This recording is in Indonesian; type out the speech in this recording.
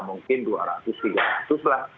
mungkin dua ratus tiga ratus lah